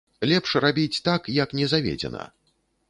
Лепш рабіць так, як не заведзена.